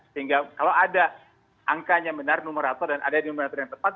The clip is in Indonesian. sehingga kalau ada angkanya benar numerator dan ada numeratur yang tepat